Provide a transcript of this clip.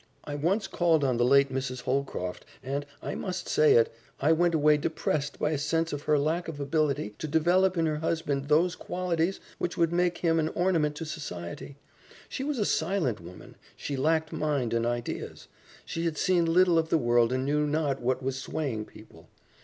"I once called on the late Mrs. Holcroft, and I must say it I went away depressed by a sense of her lack of ability to develop in her husband those qualities which would make him an ornament to society. She was a silent woman, she lacked mind and ideas. She had seen little of the world and knew not what was swaying people.